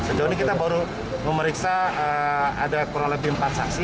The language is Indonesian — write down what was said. sejauh ini kita baru memeriksa ada kurang lebih empat saksi